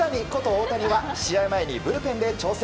大谷は試合前にブルペンで調整。